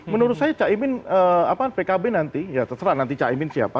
menurut saya pkb nanti terserah nanti caimin siapa